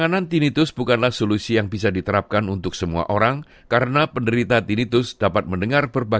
dan jadi anda perlu menggunakan sebuah rangkaian teknik berbeda